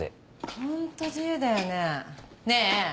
ホント自由だよね。ねぇ！